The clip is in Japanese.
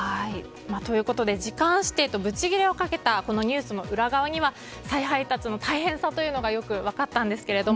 ということで、時間指定とブチギレをかけたニュースの裏側には再配達の大変さがよく分かったんですけど